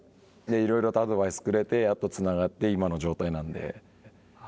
いろいろとアドバイスをくれて、やっとつながって今の状態なので。